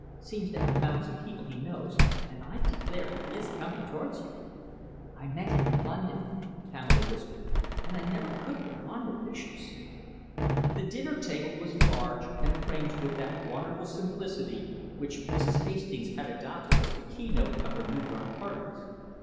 Seems to have found some people he knows and I declare he is coming towards you!" "I met him in London," Pamela whispered, "and I never could get on with bishops." The dinner table was large, and arranged with that wonderful simplicity which Mrs. Hastings had adopted as the keynote of her New York parties.